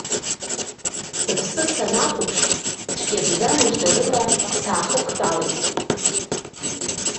Сыԥсы санақәԥш, цәгьабза мыждарыла саахықәтәалеит.